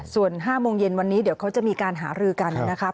ส่วน๕โมงเย็นวันนี้เดี๋ยวเขาจะมีการหารือกันนะครับ